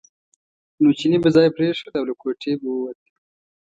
نو چیني به ځای پرېښود او له کوټې به ووت.